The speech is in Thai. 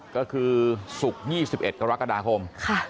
ก็คือศุกร์๒๑กรกฎาคม